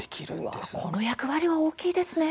この役割は大きいですね。